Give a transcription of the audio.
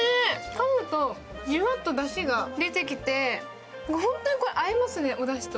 かむと、じゅわっとだしが出てきてホントにこれ、合いますね、おだしと。